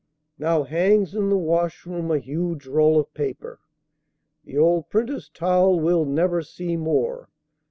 Now hangs in the washroom a huge roll of paper The old printer's towel we'll never see more.